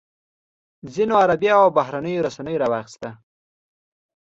ځینو عربي او بهرنیو رسنیو راواخیسته.